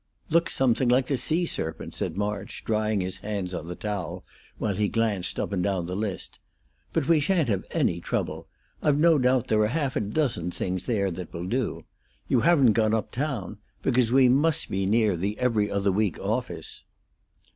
"Looks something like the sea serpent," said March, drying his hands on the towel, while he glanced up and down the list. "But we sha'n't have any trouble. I've no doubt there are half a dozen things there that will do. You haven't gone up town? Because we must be near the 'Every Other Week' office."